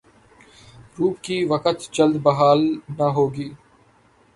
روپے کی وقعت جلد بحال نہ ہوگی۔